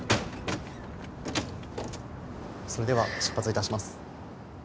それでは出発致します。